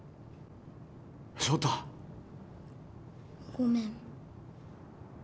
ごめん。